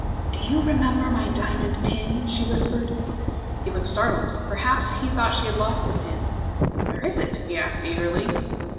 "Do you remember my diamond pin?" she whispered. He looked startled. Perhaps he thought she had lost the pin. "Where is it?" he asked eagerly.